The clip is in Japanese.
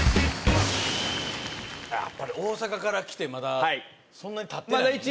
やっぱり大阪から来てまだそんなにたってないもんね